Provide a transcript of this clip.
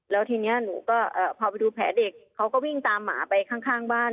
แล้วทีนี้หนูก็พาไปดูแผลเด็กเขาก็วิ่งตามหมาไปข้างบ้าน